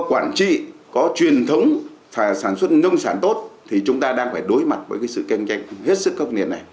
bản trị có truyền thống sản xuất nông sản tốt thì chúng ta đang phải đối mặt với sự khen khen hết sức các nền này